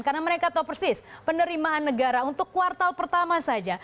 karena mereka tahu persis penerimaan negara untuk kuartal pertama saja